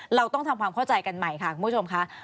เราต้องทำความเข้าใจกันใหม่ค่ะคุณผู้ชมค่ะ